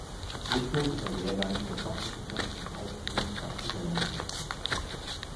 Methodischer Lehrgang zur fachwissenschaftlichen Ausbildung praktischer Landwirte".